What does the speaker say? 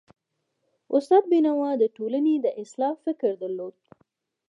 استاد بینوا د ټولني د اصلاح فکر درلود.